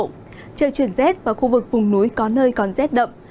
trời chuyển rét và khu vực vùng núi có nơi còn rét đậm